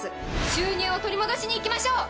収入を取り戻しに行きましょう！